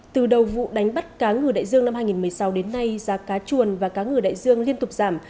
từ đầu vụ đánh bắt cá ngừ đại dương năm hai nghìn một mươi sáu đến nay giá cá chuồn và cá ngừ đại dương liên tục giảm